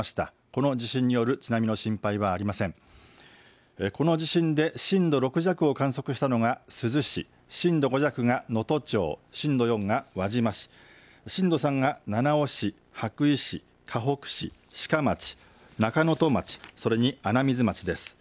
この地震で震度６弱を観測したのが珠洲市、震度５弱が能登町、震度４が輪島市、震度３が七尾市、羽咋市、かほく市、志賀町、中能登町、それに穴水町です。